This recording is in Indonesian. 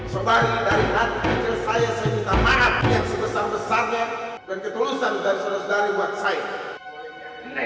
semoga dari hati kecil saya saya minta maaf yang sebesar besarnya dan ketulusan dari saudara saudari